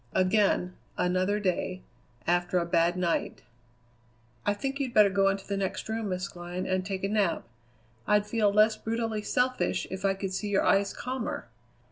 Again, another day, after a bad night: "I think you'd better go into the next room, Miss Glynn, and take a nap. I'd feel less brutally selfish if I could see your eyes calmer.